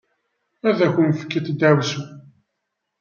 Ad ak-fkent ddeɛwessu.